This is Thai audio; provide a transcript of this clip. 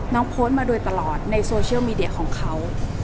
โพสต์มาโดยตลอดในโซเชียลมีเดียของเขา